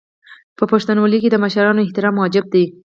په پښتونولۍ کې د مشرانو احترام واجب دی.